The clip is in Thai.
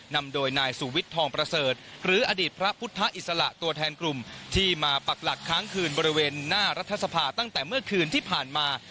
นำโดยนายสุวิทย์ทองประเสริฐหรืออดีตพระพุทธอิสระตัวแทนกลุ่มที่มาปักหลักค้างคืนบริเวณหน้ารัฐสภาตั้งแต่เมื่อคืนที่ผ่านมา